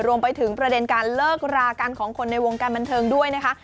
รวมไปถึงประเด็นการเลิกรากันของคนในวงการบันเทิงด้วยนะคะ